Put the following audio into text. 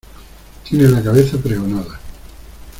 tiene la cabeza pregonada.